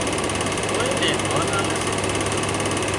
ڪوئي نين ۮانَ آلي سي